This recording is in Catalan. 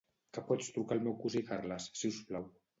Que pots trucar al meu cosí Carles, si us plau?